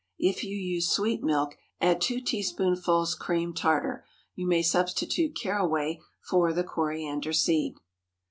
If you use sweet milk, add two teaspoonfuls cream tartar. You may substitute caraway for the coriander seed.